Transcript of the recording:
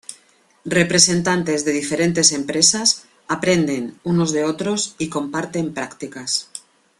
Representantes de diferentes empresas aprenden unos de otros y comparten prácticas.